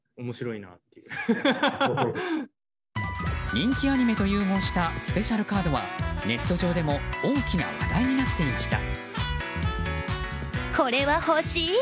人気アニメと融合したスペシャルカードはネット上でも大きな話題になっていました。